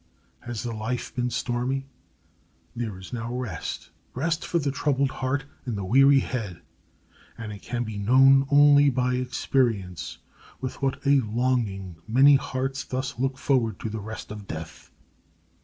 Has the life been stormy? There is now rest; rest for the troubled heart and the weary head. And it can be known only by experience with what a longing many hearts thus look forward to the rest of death.